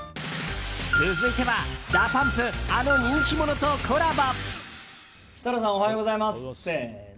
続いては、ＤＡＰＵＭＰあの人気者とコラボ！